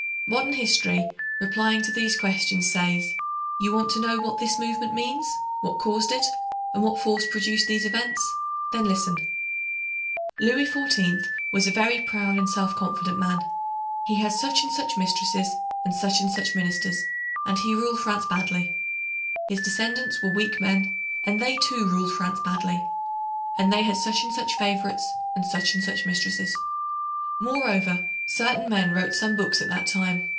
Modern history replying to these questions says: you want to know what this movement means, what caused it, and what force produced these events? Then listen: "Louis XIV was a very proud and self confident man; he had such and such mistresses and such and such ministers and he ruled France badly. His descendants were weak men and they too ruled France badly. And they had such and such favorites and such and such mistresses. Moreover, certain men wrote some books at that time.